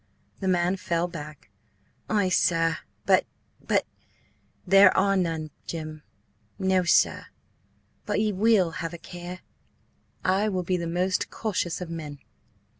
The man fell back. "Ay, sir; but–but—" "There are none, Jim." "No, sir–but ye will have a care?" "I will be the most cautious of men."